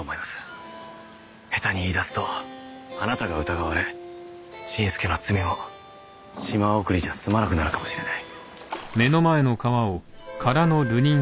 下手に言いだすとあなたが疑われ新助の罪も島送りじゃ済まなくなるかもしれない。